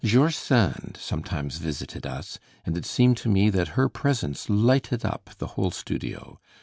George Sand sometimes visited us, and it seemed to me that her presence lighted up the whole studio.